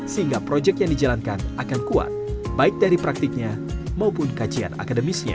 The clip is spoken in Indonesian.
sehingga proyek yang dijalankan akan kuat baik dari praktiknya maupun kajian akademisnya